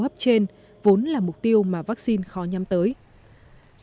hấp trên vốn là mục tiêu chống dịch covid một mươi chín